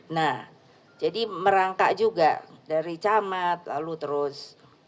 nah jadi merangkak juga dari camat lalu terus